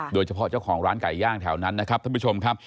โดยเฉพาะเจ้าของร้านไก่ย่างแถวนั้นนะครับท่านผู้ชมครับ